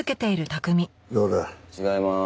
違いまーす。